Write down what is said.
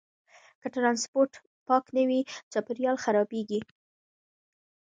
که ټرانسپورټ پاک نه وي، چاپیریال خرابېږي.